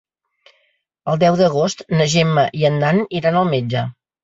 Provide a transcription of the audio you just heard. El deu d'agost na Gemma i en Dan iran al metge.